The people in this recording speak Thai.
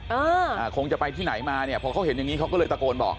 อ่าคงจะไปที่ไหนมาเนี่ยพอเขาเห็นอย่างงี้เขาก็เลยตะโกนบอก